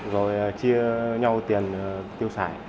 rồi chia nhau tiền tiêu xài